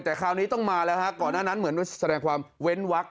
แต่คราวนี้ต้องมาก่อนหน้านั้นเหมือนแค่แสดงความเว้นน์วัก